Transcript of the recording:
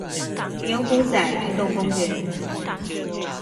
牛埔仔運動公園